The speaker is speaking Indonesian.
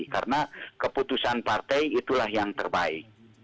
karena keputusan partai itulah yang terbaik